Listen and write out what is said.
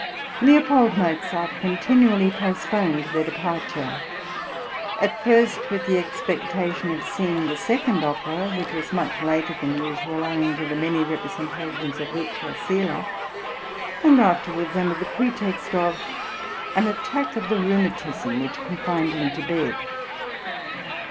L. Mozart continually postponed their departure, at first with the expectation of seeing the second opera, which was much later than usual, owing to the many representations of "Lucio Silla," and afterwards under the pretext of an attack {WORKS IN GERMANY.} (144) of rheumatism, which confined him to bed.